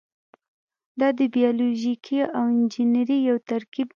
دا د بیولوژي او انجنیری یو ترکیب دی.